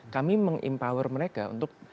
kami meng empower mereka untuk